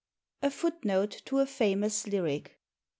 A FOOT NOTE TO A FAMOUS LYRIC.